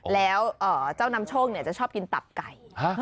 แล้วเจ้านำโชคจะชอบกินตับไก่